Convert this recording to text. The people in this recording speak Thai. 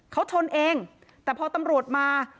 เขาชนเองแต่พอตำรวจมา